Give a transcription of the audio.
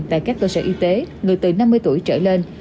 tại các cơ sở y tế người từ năm mươi tuổi trở lên